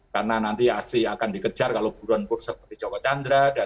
karena nanti asli akan dikejar kalau buruan kurse seperti jawa chandra